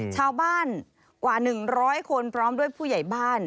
ชาวบ้านกว่าหนึ่งร้อยคนพร้อมด้วยผู้ใหญ่บ้าน